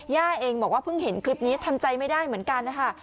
ย่าเองบอกว่าเพิ่งเห็นคลิปนี้ทำใจไม่ได้เหมือนกันนะคะ